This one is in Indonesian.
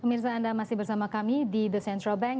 pemirsa anda masih bersama kami di the central bank